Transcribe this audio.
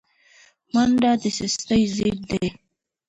منډه د سستۍ ضد ده